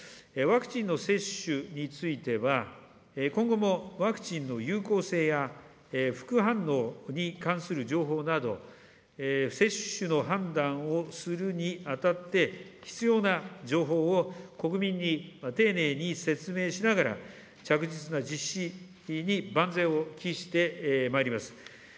ワクチンの接種については、今後もワクチンの有効性や、副反応に関する情報など、接種の判断をするにあたって、必要な情報を、国民に丁寧に説明しながら、着実な実施に万全を期してまいります。